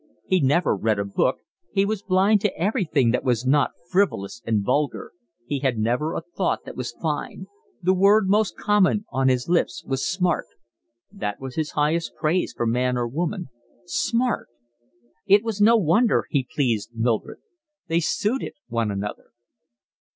He never read a book, he was blind to everything that was not frivolous and vulgar; he had never a thought that was fine: the word most common on his lips was smart; that was his highest praise for man or woman. Smart! It was no wonder he pleased Mildred. They suited one another.